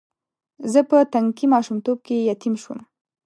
زه په تنکي ماشومتوب کې یتیم شوم.